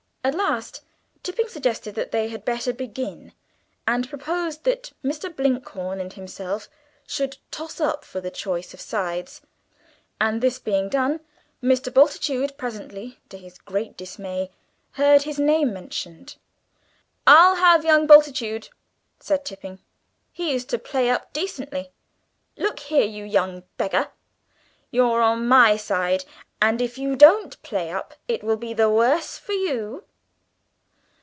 At last Tipping suggested that they had better begin, and proposed that Mr. Blinkhorn and himself should toss up for the choice of sides, and this being done, Mr. Bultitude presently, to his great dismay, heard his name mentioned. "I'll have young Bultitude," said Tipping; "he used to play up decently. Look here, you young beggar, you're on my side, and if you don't play up it will be the worse for you!"